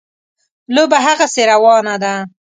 لوبه هغسې روانه ده.